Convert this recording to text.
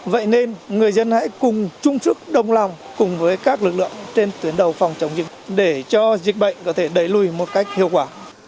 vậy nên người dân hãy cùng chung sức đồng lòng cùng với các lực lượng trên tuyến đầu phòng chống dịch để cho dịch bệnh có thể đẩy lùi một cách hiệu quả